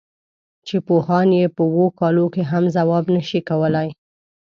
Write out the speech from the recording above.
چې پوهان یې په اوو کالو کې هم ځواب نه شي کولای.